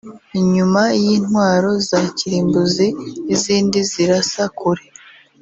inyuma y’intwaro za kirimbuzi n’izindi zirasa kure